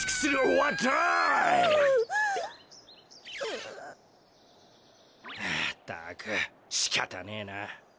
はあったくしかたねえな。